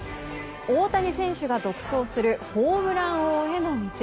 大谷選手が独走するホームラン王への道。